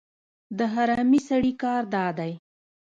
د حرامي سړي کار دا دی.